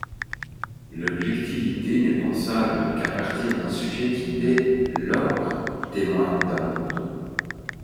L'objectivité n'est pensable qu'à partir d'un sujet qui dès lors témoigne d'un monde.